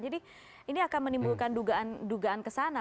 jadi ini akan menimbulkan dugaan dugaan kesana